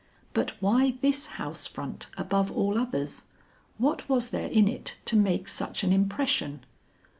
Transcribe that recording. But why this house front above all others; what was there in it to make such an impression?